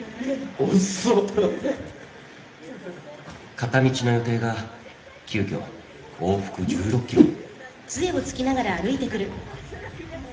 片道の予定が急きょ往復１６ｋｍに。